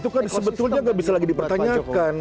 itu kan sebetulnya nggak bisa lagi dipertanyakan